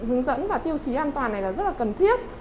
hướng dẫn và tiêu chí an toàn này là rất là cần thiết